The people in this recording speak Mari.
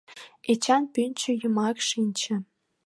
Эчан пӱнчӧ йымак шинче.